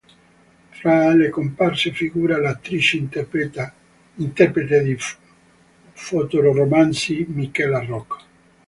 Fra le comparse figura l'attrice interprete di fotoromanzi Michela Roc.